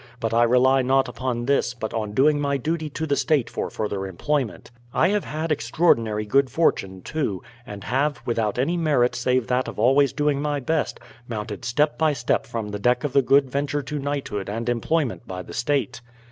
But I rely not upon this, but on doing my duty to the state for further employment. I have had extraordinary good fortune, too; and have, without any merit save that of always doing my best, mounted step by step from the deck of the Good Venture to knighthood and employment by the state.